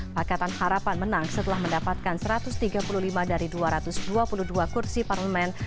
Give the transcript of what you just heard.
pakatan harapan menang setelah mendapatkan satu ratus tiga puluh lima dari dua ratus dua puluh dua kursi parlemen